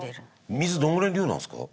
水どのぐらいの量なんですか？